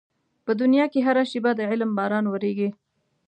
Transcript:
په دنيا کې هره شېبه د علم باران ورېږي.